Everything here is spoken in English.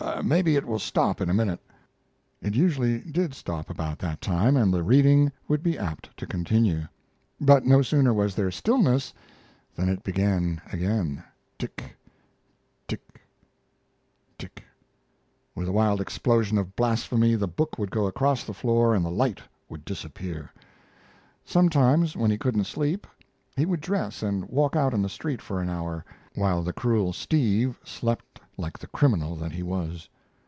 Maybe it will stop in a minute." It usually did stop about that time, and the reading would be apt to continue. But no sooner was there stillness than it began again tick, tick, tick. With a wild explosion of blasphemy, the book would go across the floor and the light would disappear. Sometimes, when he couldn't sleep, he would dress and walk out in the street for an hour, while the cruel Steve slept like the criminal that he was.